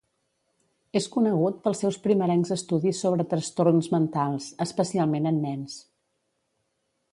És conegut pels seus primerencs estudis sobre trastorns mentals, especialment en nens.